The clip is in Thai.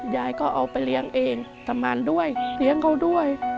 ยายก็เอาไปเรียงเองสมันด้วยเรียงเขาด้วย